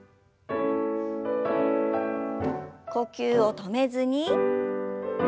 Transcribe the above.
呼吸を止めずに。